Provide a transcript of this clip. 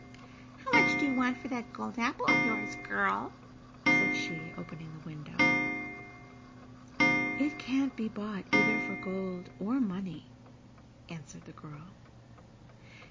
"How much do you want for that gold apple of yours, girl?" said she, opening the window. "It can't be bought either for gold or money," answered the girl.